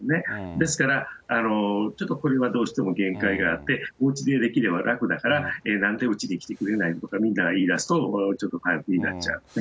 ですから、ちょっとこれはどうしても限界があって、おうちでできれば楽だから、なんでうちに来てくれないの？とかみんなが言いだすとちょっとパンクになっちゃうんですね。